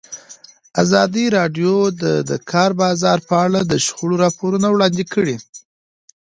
ازادي راډیو د د کار بازار په اړه د شخړو راپورونه وړاندې کړي.